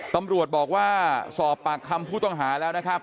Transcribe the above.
ตำรวจบอกว่าสอบปากคำผู้ต้องหาแล้วนะครับ